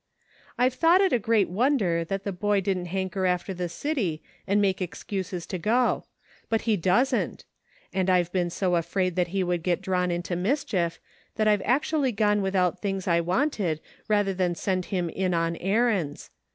I've thought it a great wonder that the boy didn't hanker after the city and make excuses to go ; but he doesn't ; and I've been so afraid that he would get drawn into mischief, that I've actually gone without things I wanted rather than send him in on errands.